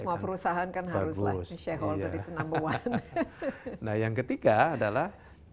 semua perusahaan kan harus shareholder number one nah yang ketiga adalah